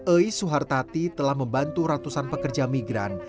ei suhartati telah membantu ratusan pekerja migran